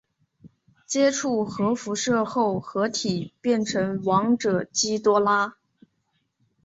接触核辐射后合体变成王者基多拉。